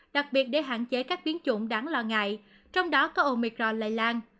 đặc biệt để hạn chế các biến chủng đáng lo ngại trong đó có omicron lây lan